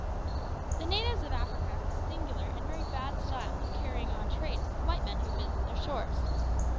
The natives of Africa have a singular and very bad style of carrying on trade with the white men who visit their shores.